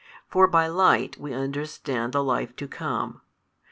For by light we understand the life to come.